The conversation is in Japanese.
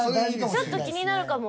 確かにちょっと気になるかも。